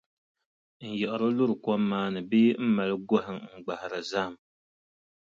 N-yiɣiri luri kom maa ni bee m-mali gɔhi n-gbahiri zahim.